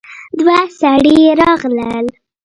دوه سړي راغلل.